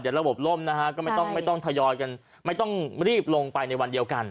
เดี๋ยวระบบล่มนะฮะก็ไม่ต้องทยอยกันไม่ต้องรีบลงไปในวันเดียวกัน